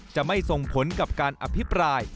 จะไม่ส่งผลกับการอภิปราย